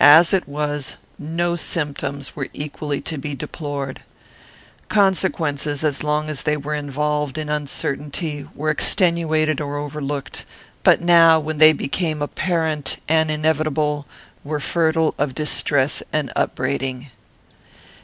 As it was, no symptoms were equally to be deplored. Consequences, as long as they were involved in uncertainty, were extenuated or overlooked; but now, when they became apparent and inevitable, were fertile of distress and upbraiding.